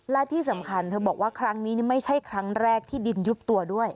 และที่สำคัญเธอบอกว่าครั้งนี้ไม่ใช่ครั้งแรกที่ดินยุบตัวด้วย